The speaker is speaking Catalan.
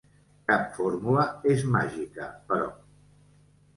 Cap fórmula és màgica, però.